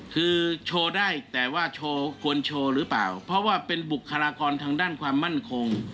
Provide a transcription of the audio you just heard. คือโชว์ได้แต่ว่าโชว์ควรโชว์หรือเปล่าเพราะว่าเป็นบุคลากรทางด้านความมั่นคง